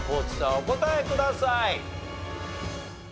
お答えください。